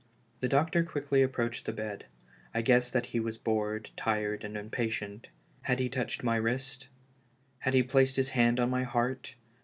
The doctor quickly approached the bed. I guessed that he was bored, tired and impatient. Had he touched my wrist?* Had he placed his hand on my heart?